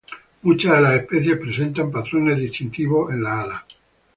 Muchas de las especies presentan patrones distintivos en las alas.